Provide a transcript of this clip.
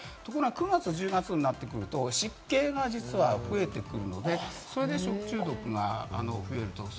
ところが９月、１０月になってくると湿気が実は増えてくるので、それで食中毒が増える。